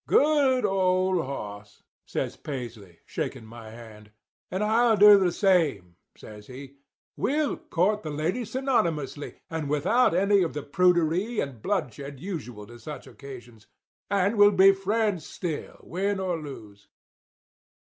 "'Good old hoss!' says Paisley, shaking my hand. 'And I'll do the same,' says he. 'We'll court the lady synonymously, and without any of the prudery and bloodshed usual to such occasions. And we'll be friends still, win or lose.